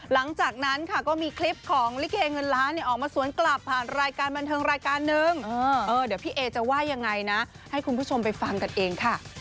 หลังจากนั้นค่ะก็มีคลิปของลิเกเงินล้านเนี่ยออกมาสวนกลับผ่านรายการบันทึงรายการนึง